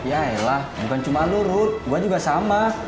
yaelah bukan cuma lo ruth gue juga sama